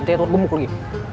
edward gemuk lagi